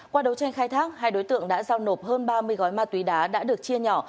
qua đấu tranh khai thác hai đối tượng đã giao nộp hơn ba mươi gói ma túy đá đã được chia nhỏ